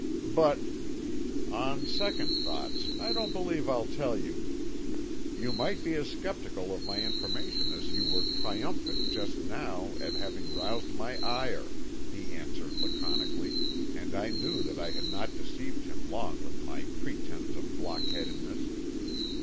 "But " "On second thoughts I don't believe I'll tell you. You might be as skeptical of my information as you were triumphant just now at having roused my ire," he answered laconically, and I knew that I had not deceived him long with my pretense of blockheadedness.